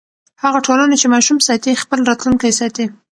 هغه ټولنه چې ماشوم ساتي، خپل راتلونکی ساتي.